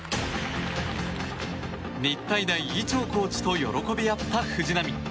日体大、伊調コーチと喜び合った藤波。